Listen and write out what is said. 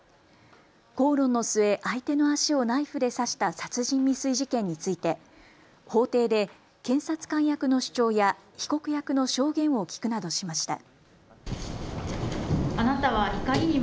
口論の末、相手の足をナイフで刺した殺人未遂事件について法廷で検察官役の主張や被告役の証言を聞くなどしました。